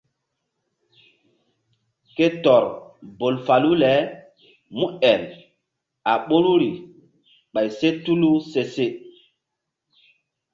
Ke tɔr bol falu le múel a ɓoruri ɓay se tulu se.